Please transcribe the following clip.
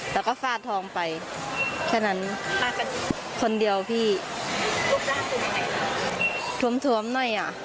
แล้วก็ฝาดทองไปแค่นั้นคนเดียวพี่ทวมทวมหน่อยอ่ะ